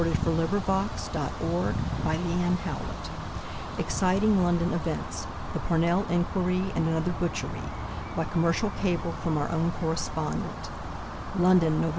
(6 posts) New York Times November 10, 1888 EXCITING LONDON EVENTS "The Parnell Inquiry and Another Butchery" by commercial cable from our own correspondent. London, Nov.9.